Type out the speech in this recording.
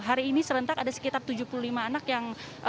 hari ini serentak ada sekitar tujuh puluh lima anak yang